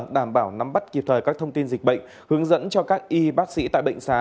đảm bảo nắm bắt kịp thời các thông tin dịch bệnh hướng dẫn cho các y bác sĩ tại bệnh xá